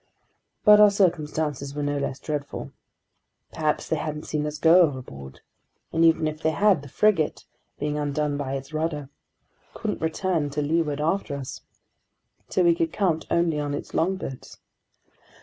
But our circumstances were no less dreadful. Perhaps they hadn't seen us go overboard; and even if they had, the frigate—being undone by its rudder—couldn't return to leeward after us. So we could count only on its longboats.